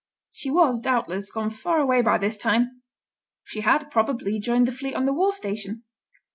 She was, doubtless, gone far away by this time; she had, probably, joined the fleet on the war station.